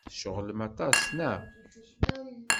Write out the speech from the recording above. Tceɣlem aṭas, naɣ?